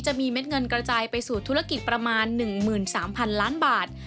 เม็ดเงินกระจายไปสู่ธุรกิจประมาณ๑๓๐๐๐ล้านบาท